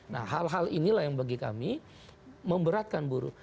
nah hal hal inilah yang bagi kami memberatkan buruh